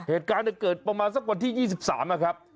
เหตุการณ์เกิดประมาณสักวันที่๒๓นะครับ